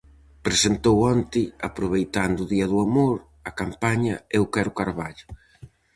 Presentou onte, aproveitando o día do amor, a campaña "Eu quero Carballo".